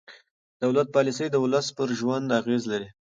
د دولت پالیسۍ د ولس پر ژوند اغېز لري